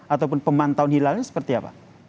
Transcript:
ataupun pemantauan hilalnya seperti apa